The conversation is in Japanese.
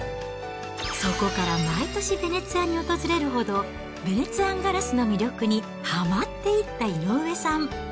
そこから毎年ヴェネツィアに訪れるほど、ヴェネツィアンガラスの魅力にはまっていった井上さん。